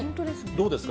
どうですか？